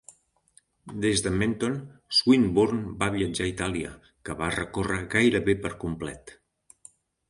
Des de Menton, Swinburne va viatjar a Itàlia, que va recórrer gairebé per complet.